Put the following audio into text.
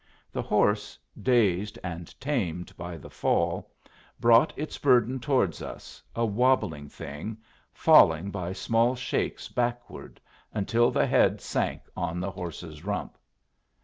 The horse, dazed and tamed by the fall, brought its burden towards us, a wobbling thing, falling by small shakes backward, until the head sank on the horse's rump.